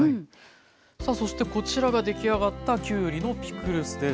さあそしてこちらが出来上がったきゅうりのピクルスです。